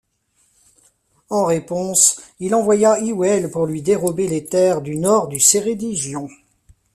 En réponse, il envoya Hywel pour lui dérober les terres du nord du Ceredigion.